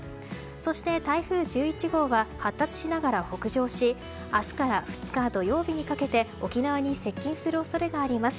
そして台風１１号は発達しながら北上し明日から２日土曜日にかけて沖縄に接近する恐れがあります。